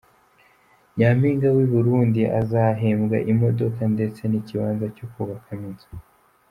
Nyampinga w’ i Burundi azahembwa Imodoka ndetse n’ ikibanza cyo kubakamo inzu .